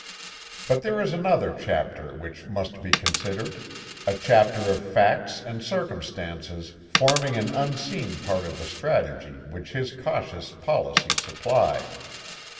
But there is another chapter which must be considered, a chapter of facts and circumstances forming an unseen part of the strategy which his cautious policy supplied.